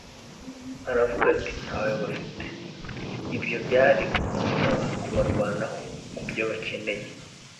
aravuga ati: « Nta we bafite». Ibyo byari ukumusaba kubarwanaho ku byo bakeneye.